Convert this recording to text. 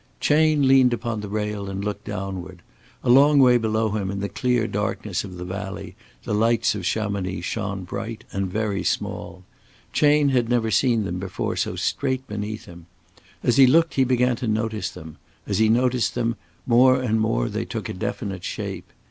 Chayne leaned upon the rail and looked downward. A long way below him, in the clear darkness of the valley the lights of Chamonix shone bright and very small. Chayne had never seen them before so straight beneath him. As he looked he began to notice them; as he noticed them, more and more they took a definite shape.